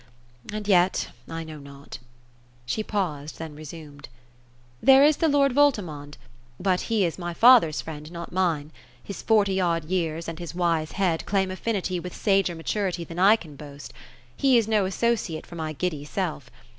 And yet, I know not " She paused, then resumed :" There is the lord Voltimand ; but he is my father's friend, not mine. His fortj' odd years, and his wise head, claim affinity with sager maturity than I can boast. He is no associate for my giddy self.